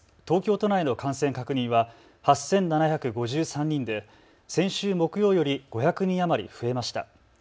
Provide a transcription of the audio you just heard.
東京都内の感染確認は８７５３人で先週木曜より５００人余り増えました。